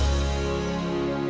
itu nanti diri bisa nyanyikan